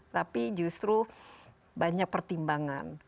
tapi justru banyak pertimbangan